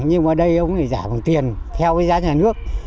nhưng mà đây ông ấy giả bằng tiền theo với giá nhà nước